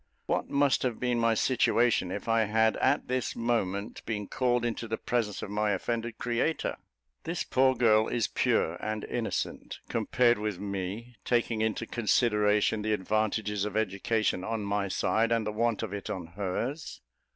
What must have been my situation if I had at this moment been called into the presence of my offended Creator? This poor girl is pure and innocent, compared with me, taking into consideration the advantages of education on my side, and the want of it on hers.